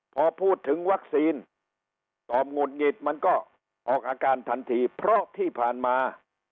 พอพูดถึงวัคซีนตอบหงุดหงิดมันก็ออกอาการทันทีเพราะที่ผ่านมา